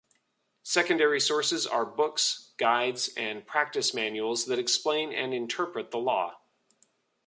Secondary sources are books, guides, and practice manuals that explain and interpret the law.